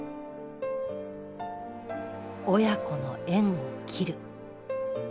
「親子の縁を切る」。